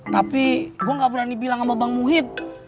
tapi gua gak berani bilang sama bang muhyidd